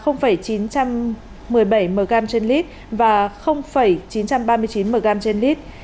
một mươi bảy mg trên lít và chín trăm ba mươi chín mg trên lít